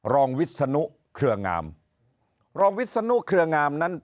รองวิศนุเครืองามรองวิศนุเครืองามนั้น